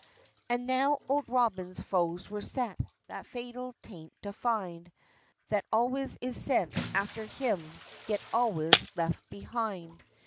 And now Old Robin's foes were set That fatal taint to find, That always is scent after him, Yet always left behind.